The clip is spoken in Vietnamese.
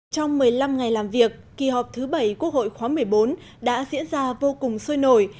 trong một mươi năm ngày làm việc kỳ họp thứ bảy quốc hội khóa một mươi bốn đã diễn ra vô cùng sôi nổi